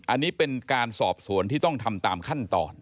อันนี้เป็นการสอบสวนที่ต้องทำตามขั้นตอน